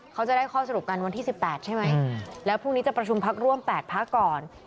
เขาจะได้ข้อสรุปกันวันที่๑๘ใช่ไหมแล้วพรุ่งนี้จะประชุมพักร่วม๘พักก่อน